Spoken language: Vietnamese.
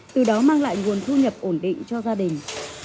từ đó mang lại nguồn thu nhập ổn định cho gia đình